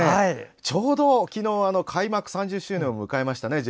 ちょうど昨日、開幕３０周年を迎えましたね。